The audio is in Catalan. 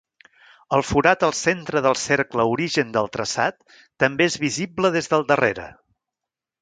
El forat al centre del cercle origen del traçat també és visible des del darrere.